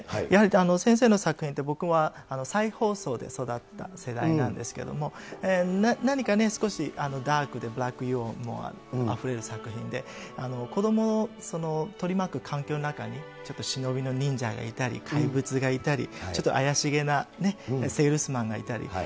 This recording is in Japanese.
やはり先生の作品って、僕は再放送で育った世代なんですけども、何かね、少しダークでブラックユーモアあふれる作品で、子どもを取り巻く環境の中にちょっと忍びの忍者がいたり、怪物がいたり、ちょっと怪しげなセールスマンがいたり。